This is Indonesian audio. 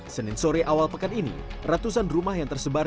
senin sore awal pekan ini ratusan rumah yang tersebar